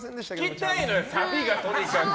聴きたいのよ、サビがとにかく。